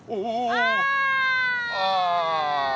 ああ。